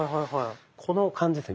この感じですね。